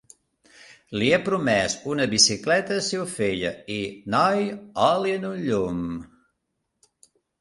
Li he promès una bicicleta si ho feia i, noi, oli en un llum!